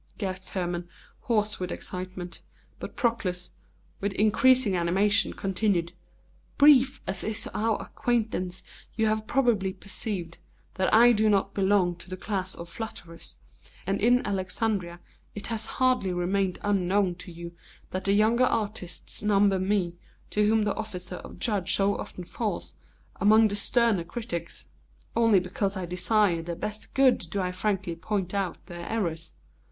gasped Hermon, hoarse with excitement; but Proclus, with increasing animation, continued: "Brief as is our acquaintance, you have probably perceived that I do not belong to the class of flatterers, and in Alexandria it has hardly remained unknown to you that the younger artists number me, to whom the office of judge so often falls, among the sterner critics. Only because I desire their best good do I frankly point out their errors.